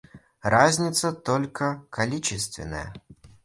Разница только количественная.